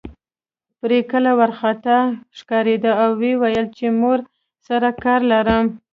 پري ګله وارخطا ښکارېده او ويل يې چې مور سره کار لرم